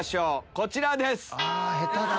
こちらです。